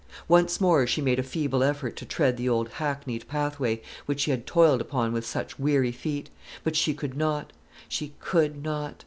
Once more she made a feeble effort to tread the old hackneyed pathway, which she had toiled upon with such weary feet; but she could not, she could not.